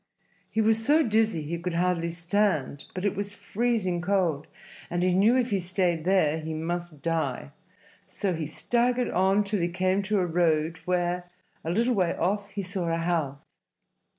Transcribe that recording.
He was so dizzy he could hardly stand, but it was freezing cold, and he knew if he stayed there he must die. So he staggered on till he came to a road where, a little way off, he saw a house.